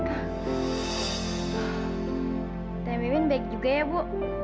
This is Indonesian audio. temin temin baik juga ya bu